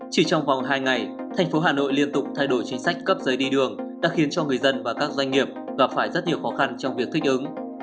chỉ trong vòng hai ngày thành phố hà nội liên tục thay đổi chính sách cấp giấy đi đường đã khiến cho người dân và các doanh nghiệp gặp phải rất nhiều khó khăn trong việc thích ứng